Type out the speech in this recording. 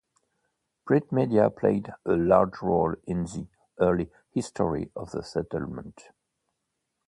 Print media played a large role in the early history of the settlement.